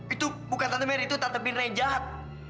itu bukan tante meri itu tante bin ray jahat